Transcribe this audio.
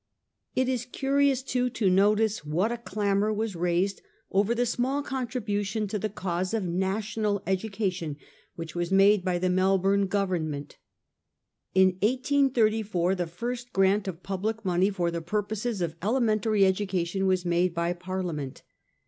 It is curious too to notice what a clamour was raised over the small contribution to the cause of national education which was made by the Melbourne Government. In 1834 the first grant of public money for the purposes of elementary education was made by Parliament.